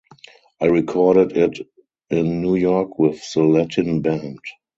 I recorded it in New York with the Latin band.